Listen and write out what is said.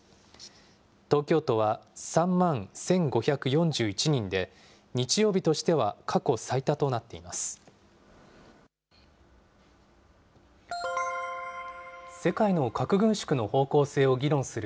東京都は３万１５４１人で、日曜日としては過去最多となっています。